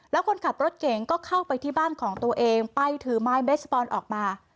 แล้วคนขับรถเก่งก็เข้าไปที่บ้านของตัวเองไปถือไม้เบสบอลออกมา